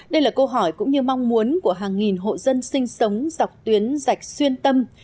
đây là câu hỏi cũng như mong muốn của hàng nghìn hộ dân sinh sống dọc tuyến rạch xuyên tâm